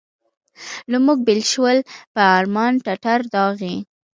له موږ بېل شول په ارمان ټټر داغلي.